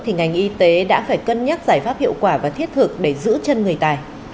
thì ngành y tế đã phải cân nhắc giải pháp hiệu quả và thiết thực để giữ chân người tài